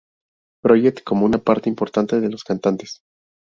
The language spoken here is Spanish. Project como una parte importante de los cantantes.